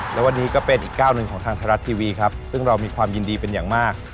และวันนี้ก็เป็นอีกก้าวหนึ่งของทางไทยรัฐทีวีครับซึ่งเรามีความยินดีเป็นอย่างมาก